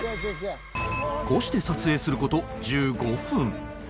こうして撮影する事１５分